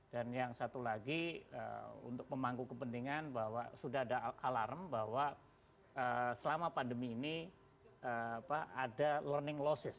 dan yang satu lagi untuk pemangku kepentingan bahwa sudah ada alarm bahwa selama pandemi ini ada learning losses